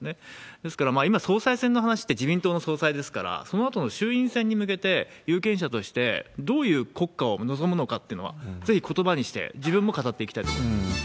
ですから、今、総裁選の話って、自民党の総裁ですから、そのあとの衆院選に向けて、有権者としてどういう国会を望むのかっていうのは、ぜひことばにして自分も語っていきたいと思います。